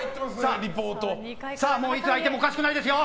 いつ開いてもおかしくないですよ！